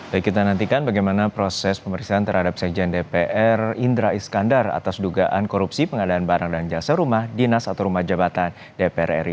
baik kita nantikan bagaimana proses pemeriksaan terhadap sekjen dpr indra iskandar atas dugaan korupsi pengadaan barang dan jasa rumah dinas atau rumah jabatan dpr ri